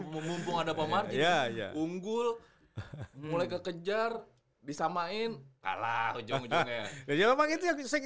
mumpung ada pemargin unggul mulai kekejar disamain kalah ujung ujungnya